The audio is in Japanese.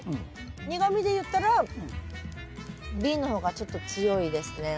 苦みで言ったらＢの方がちょっと強いですね。